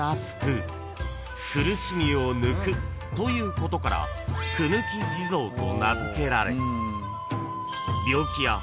［ということから苦抜き地蔵と名付けられ］